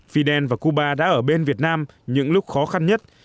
fidel và cuba đã ở bên việt nam những lúc khó khăn nhất